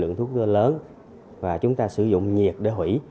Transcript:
lượng thuốc lớn và chúng ta sử dụng nhiệt để hủy